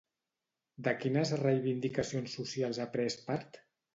De quines reivindicacions socials ha pres part?